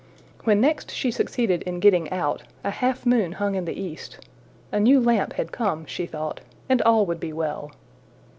When next she succeeded in getting out, a half moon hung in the east: a new lamp had come, she thought, and all would be well.